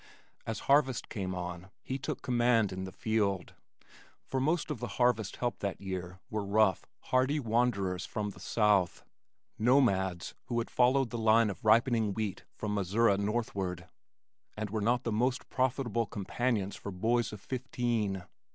As harvest came on he took command in the field, for most of the harvest help that year were rough, hardy wanderers from the south, nomads who had followed the line of ripening wheat from Missouri northward, and were not the most profitable companions for boys of fifteen.